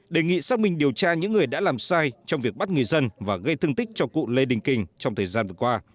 đề nghị xác minh điều tra những người đã làm sai trong việc bắt người dân và gây thương tích cho cụ lê đình kình trong thời gian vừa qua